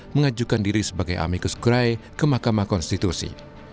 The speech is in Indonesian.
mengajukan diri sebagai amikus gerai ke mahkamah konstitusi